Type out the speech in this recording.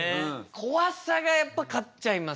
怖さがやっぱ勝っちゃいますか？